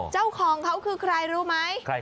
เจ้าของเขาคือใครรู้ไหม